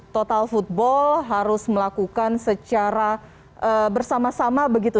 total football harus melakukan secara bersama sama begitu